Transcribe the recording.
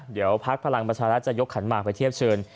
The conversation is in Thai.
เดี๋ยวพักพลังประชารัฐจะยกขันหมากไปเทียบเชิญ